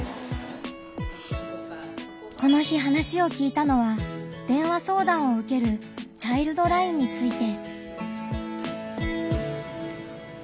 この日話を聞いたのは電話相談を受けるチャイルドラインについて。